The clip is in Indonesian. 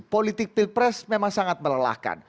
politik pilpres memang sangat melelahkan